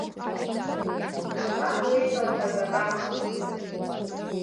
Абан еиҭалҳаз акама.